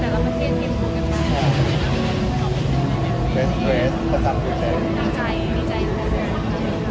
แล้วมันเป็นจังหวะแค่ว่าจังหวะมากกว่า